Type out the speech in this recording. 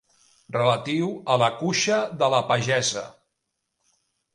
Relatiu a la cuixa de la pagesa.